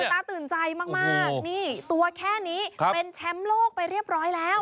ตาตื่นใจมากนี่ตัวแค่นี้เป็นแชมป์โลกไปเรียบร้อยแล้ว